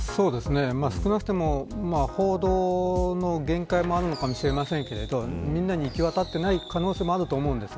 少なくとも報道の限界もあるかもしれませんがみんなに行き渡っていない可能性もあると思います。